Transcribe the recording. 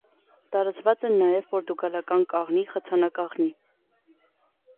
Տարածված են նաև պորտուգալական կաղնի, խցանակաղնի։